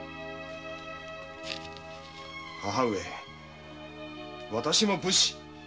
母上私も武士。